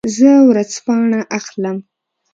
زه ورځپاڼه اخلم.